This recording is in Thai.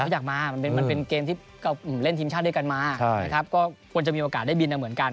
อยากมามันเป็นเกมที่เล่นทีมชาติด้วยกันมานะครับก็ควรจะมีโอกาสได้บินเหมือนกัน